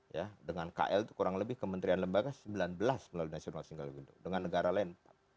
ya dengan kl itu kurang lebih kementerian lembaga sembilan belas melalui national single window dengan negara lain